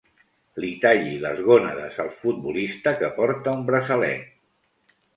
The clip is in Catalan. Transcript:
Li talli les gònades al futbolista que porta un braçalet.